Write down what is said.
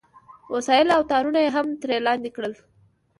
وسایل او تارونه یې هم ترې لاندې کړل